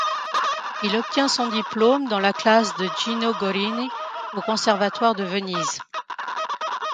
Il obtient son diplôme dans la classe de Gino Gorini au Conservatoire de Venise.